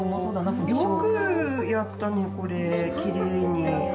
よくやったねこれきれいに。